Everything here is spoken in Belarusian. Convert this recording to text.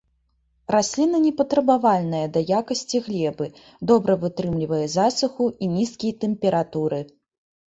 Расліна не патрабавальная да якасці глебы, добра вытрымлівае засуху і нізкія тэмпературы.